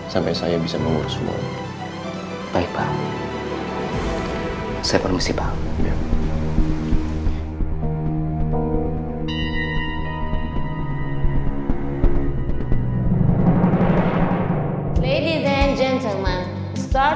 sampai saya bisa mengurus semua